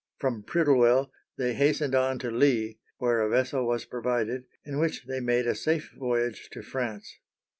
From Prittlewell, they hastened on to Leigh, where a vessel was provided, in which they made a safe voyage to France.